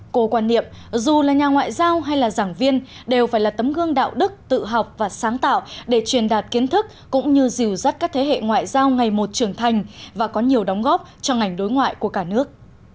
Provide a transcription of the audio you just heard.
cô quan niệm dù là nhà ngoại giao hay là giảng viên đều phải là tấm gương đạo đức tự học và sáng tạo để truyền đạt kiến thức cũng như dìu dắt các thế hệ ngoại giao ngày một trưởng thành và có nhiều đóng góp cho ngành đối ngoại của cả nước